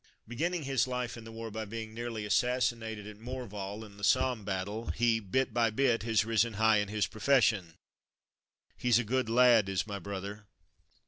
Beginning his life in the war by being nearly assassinated at Morval, in the Somme battle, he, bit by bit, has '' risen high in his profession. " He's a good lad, is my brother.